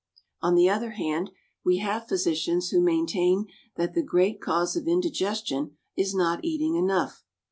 On the other hand, we have physicians who maintain that the great cause of indigestion is not eating enough.